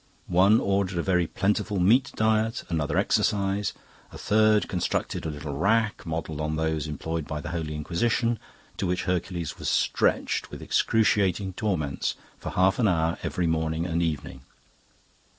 One ordered a very plentiful meat diet; another exercise; a third constructed a little rack, modelled on those employed by the Holy Inquisition, on which young Hercules was stretched, with excruciating torments, for half an hour every morning and evening.